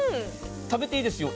食べていいですよ